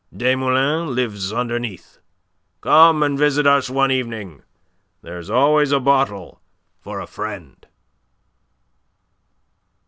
Desmoulins lives underneath. Come and visit us one evening. There's always a bottle for a friend."